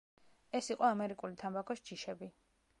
ეს იყო ამერიკული თამბაქოს ჯიშები.